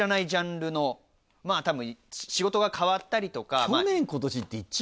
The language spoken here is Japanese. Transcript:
多分仕事が変わったりとか。